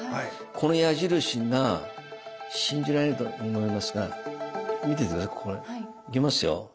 この矢印が信じられないと思いますが見ててくださいこれ。いきますよ。